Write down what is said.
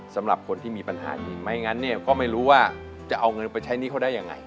สำหรับคนที่มีปัญหานี้ไม่งั้นเนี่ยก็ไม่รู้ว่าจะเอาเงินไปใช้หนี้เขาได้ยังไง